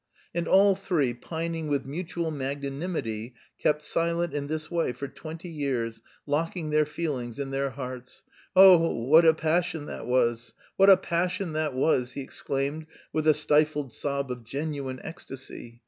And all three, pining with mutual magnanimity, kept silent in this way for twenty years, locking their feelings in their hearts. "Oh, what a passion that was, what a passion that was!" he exclaimed with a stifled sob of genuine ecstasy.